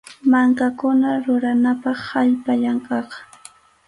Mankakuna ruranapaq allpam llankaqa.